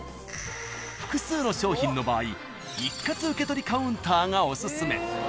［複数の商品の場合一括受け取りカウンターがお薦め］